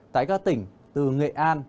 tại các tỉnh từ nghệ an